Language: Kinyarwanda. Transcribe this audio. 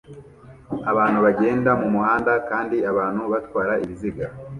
Abantu bagenda mumuhanda kandi abantu batwara ibiziga